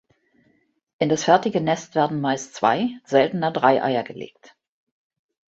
In das fertige Nest werden meist zwei, seltener drei Eier gelegt.